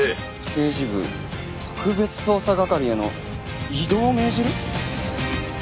「刑事部特別捜査係への異動を命じる」？